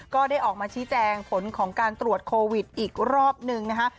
ก็ได้ออกมาชี้แจงผลของการตรวจโควิดอีกรอบนึงนะคะ